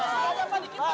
eh eh eh kamera